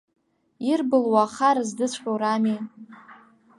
Ирбылуа ахара здыҵәҟьоу рами?